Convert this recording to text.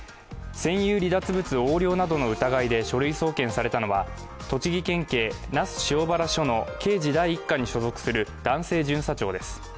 占有離脱物横領などの疑いで書類送検されたのは栃木県警那須塩原署の刑事第一課に所属する男性巡査長です。